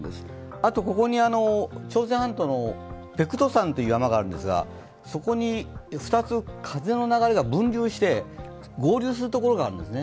あとここに朝鮮半島のペクトゥ山という山があるんですがそこに２つ風の流れが分流して合流するところがあるんですね。